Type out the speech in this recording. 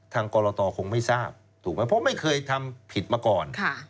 กรตคงไม่ทราบถูกไหมเพราะไม่เคยทำผิดมาก่อน